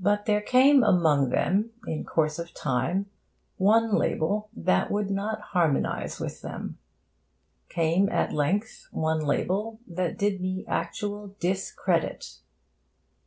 But there came among them, in course of time, one label that would not harmonise with them. Came, at length, one label that did me actual discredit.